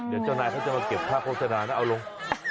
เดี๋ยวเจ้านายเขาจะมาเก็บค่าโฆษณานะเอาลง